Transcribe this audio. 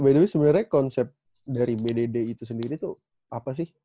by the way sebenernya konsep dari bdd itu sendiri tuh apa sih